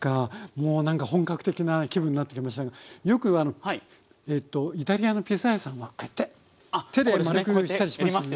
もう何か本格的な気分になってきましたがよくえっとイタリアのピザ屋さんはこうやって手でまるくしたりしますよね。